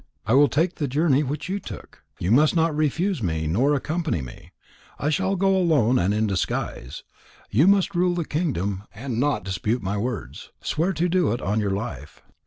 I will take the journey which you took. You must not refuse me nor accompany me. I shall go alone and in disguise. You must rule the kingdom, and not dispute my words. Swear to do it on your life."